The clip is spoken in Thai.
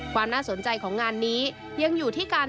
ความน่าสนใจของงานนี้ยังอยู่ที่การ